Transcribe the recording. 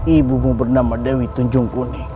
ibumu bernama dewi tunjungkuni